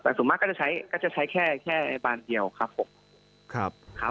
แต่ส่วนมากก็จะใช้ก็จะใช้แค่บานเดียวครับผมครับ